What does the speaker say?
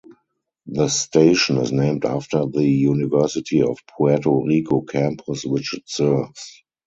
The station is named after the University of Puerto Rico campus which it serves.